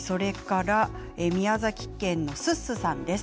宮崎県の方からです。